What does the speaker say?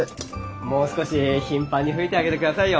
もう少し頻繁に吹いてあげてくださいよ。